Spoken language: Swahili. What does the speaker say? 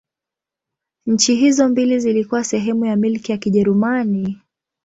Nchi hizo mbili zilikuwa sehemu ya Milki ya Kijerumani.